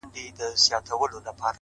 ليلا مجنون ـ